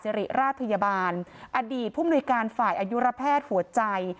ริราชพยาบาลอดีตผู้มนุยการฝ่ายอายุระแพทย์หัวใจ